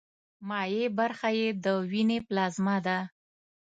مایع برخه یې د ویني پلازما ده.